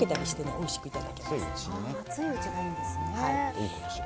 熱いうちがいいんですね。